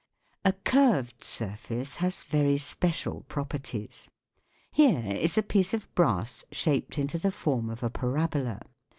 A curved surface has very special properties. Here is a piece of brass shaped into the form of a parabola.